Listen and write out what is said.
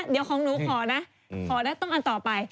เดี๋ยวของหนูขอนะขอนะต้องอันต่อไป